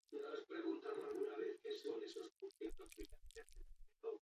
Gizon zindo hark ez zuen onartu nahi izan diru hura.